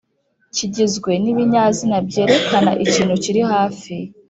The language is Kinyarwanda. kigizwe n’ibinyazina byerekana ikintu kiri hafi